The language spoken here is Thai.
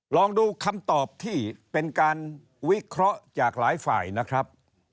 ลองดูคำตอบที่เป็นการวิเคราะห์จากหลายฝ่ายนะครับ